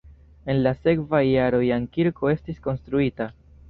En la sekva jaro jam kirko estis konstruita.